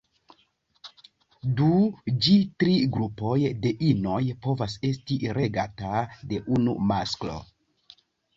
Du ĝi tri grupoj de inoj povas esti regata de unu masklo.